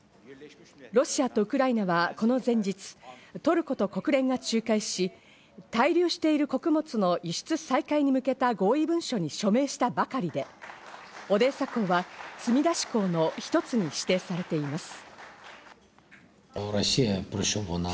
ロシアとウクライナはこの前日、トルコと国連が仲介し、滞留している穀物の輸出再開に向けた合意文書に署名したばかりでオデーサ港は積み出し港の一つに指定されています。